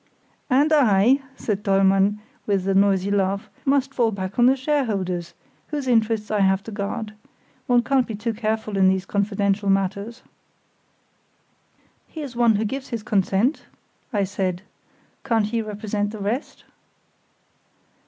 "And I," said Dollmann, with a noisy laugh, "must fall back on the shareholders, whose interests I have to guard. One can't be too careful in these confidential matters." "Here's one who gives his consent," I said. "Can't he represent the rest?"